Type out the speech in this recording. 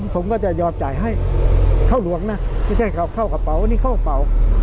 ผมก็จะยอมจ่ายให้เข้าหลวงนะไม่ใช่เขาเข้ากระเป๋าอันนี้เข้ากระเป๋า